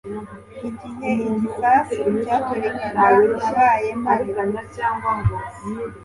Igihe igisasu cyaturikaga nabaye mpari